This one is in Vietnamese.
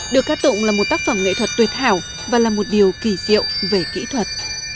được cát tụng là một tác phẩm nghệ thuật tuyệt hảo và là một điều kỳ diệu về kỹ thuật